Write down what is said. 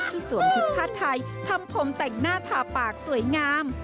สวมชุดผ้าไทยทำผมแต่งหน้าทาปากสวยงาม